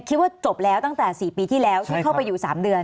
คิดว่าจบแล้วตั้งแต่๔ปีที่แล้วที่เข้าไปอยู่๓เดือน